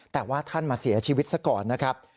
แต่ว่าท่านมาเสียชีวิตซะก่อนนะครับ